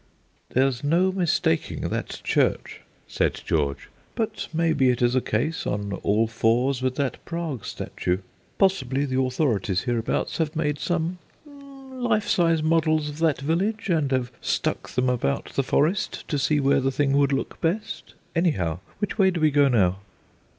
"There's no mistaking that church," said George. "But maybe it is a case on all fours with that Prague statue. Possibly, the authorities hereabout have had made some life sized models of that village, and have stuck them about the Forest to see where the thing would look best. Anyhow, which way do we go now?"